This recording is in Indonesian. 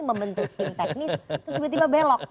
membentuk tim teknis terus tiba tiba belok